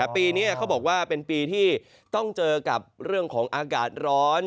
ปีนี้เขาบอกว่าเป็นปีที่ต้องเจอกับเรื่องของอากาศร้อน